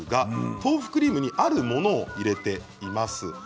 豆腐クリームにあるものを入れています。